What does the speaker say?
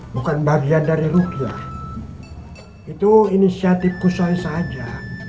bukan bagian dari rukyah itu inisiatif kusoi saja